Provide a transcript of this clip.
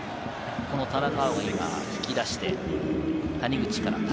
田中碧が今、引き出して谷口から縦。